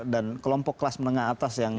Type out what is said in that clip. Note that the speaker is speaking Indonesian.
dan kelompok kelas menengah atas yang